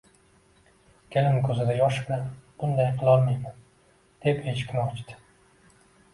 Kelin ko`zida yosh bilan bunday qilolmayman, deb eshikni ochdi